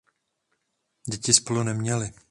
Děti spolu neměli.